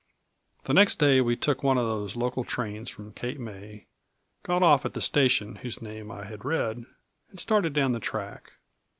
The next day we took one of the local trains from Cape May, got off at the station whose name I had read, and started down the track.